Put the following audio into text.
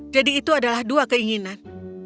jadi itu adalah dua keinginan